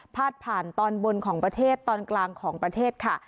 พาดผ่านตอนบนของประเทศตอนกลางของประเทศค่ะ